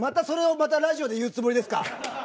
それをまたラジオで言うつもりですか？